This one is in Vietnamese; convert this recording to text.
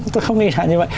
tôi không nghĩ là như vậy